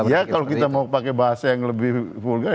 ya kalau kita mau pakai bahasa yang lebih vulgar